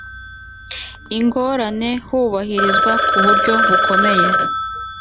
ingorane hubahirizwa ku buryo bukomeye